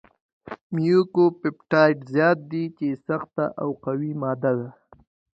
میوکوپپټایډ زیات دی چې سخته او قوي ماده ده.